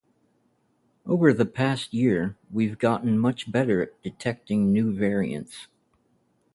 Over the past year, we’ve gotten much better at detecting new variants.